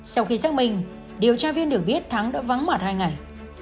sau khi xác minh điều tra viên được biết thắng đã vắng mặt hai ngày